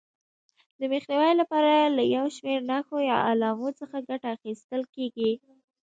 د مخنیوي لپاره له یو شمېر نښو یا علامو څخه ګټه اخیستل کېږي.